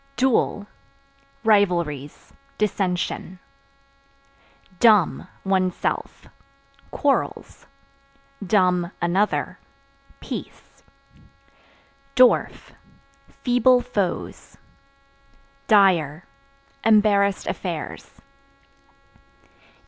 Duel Rivalries; dissension. Dumb (One's self) quarrels; (another) peace. Dwarf Feeble foes. Dyer Embarrassed affairs.